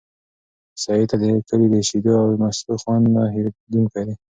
سعید ته د کلي د شیدو او مستو خوند نه هېرېدونکی دی.